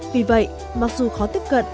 vì vậy mặc dù khó tiếp cận